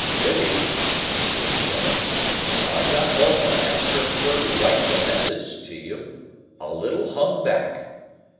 "Biddy," pursued Joe, "when I got home and asked her fur to write the message to you, a little hung back.